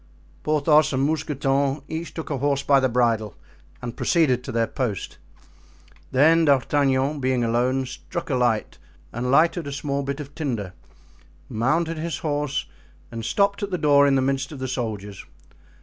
Porthos and Mousqueton each took a horse by the bridle and proceeded to their post. Then D'Artagnan, being alone, struck a light and lighted a small bit of tinder, mounted his horse and stopped at the door in the midst of the soldiers.